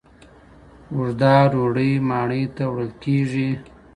اوږده ډوډۍ ماڼۍ ته وړل کیږي.